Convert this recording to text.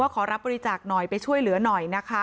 ขอรับบริจาคหน่อยไปช่วยเหลือหน่อยนะคะ